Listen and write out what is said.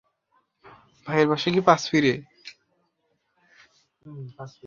অন্ধকারের শয়তান এগিয়ে আসছে!